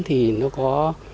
thì nó có